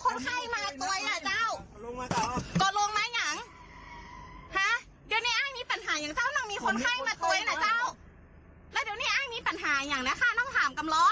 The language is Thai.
เขาจะเอาคนไข้กับเมืองภารอ้าวอ้าวอ้าวลงมาดู